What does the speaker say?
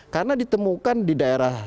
karena ditemukan di daerah